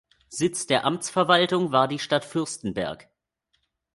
Sitz der Amtsverwaltung war die Stadt Fürstenberg.